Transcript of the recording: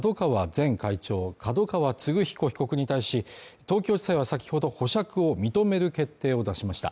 前会長角川歴彦被告に対し、東京地裁は先ほど保釈を認める決定を出しました。